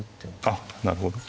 あっなるほど。